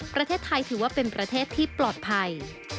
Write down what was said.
ประเทศไทยถือว่าเป็นประเทศที่ปลอดภัย